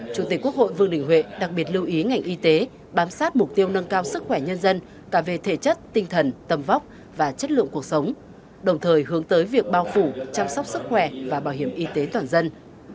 chủ tịch quốc hội vương đình huệ đặc biệt lưu ý ngành y tế bám sát mục tiêu nâng cao sức khỏe nhân dân cả về thể chất tinh thần tầm vóc và chất lượng cuộc sống đồng thời hướng tới việc bao phủ chăm sóc sức khỏe và bảo hiểm y tế toàn dân